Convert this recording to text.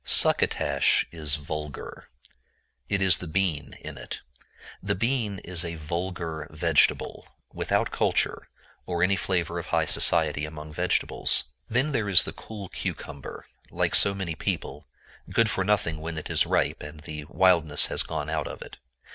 Succotash is vulgar. It is the bean in it. The bean is a vulgar vegetable, without culture, or any flavor of high society among vegetables. Then there is the cool cucumber, like so many people, good for nothing when it is ripe and the wildness has gone out of it.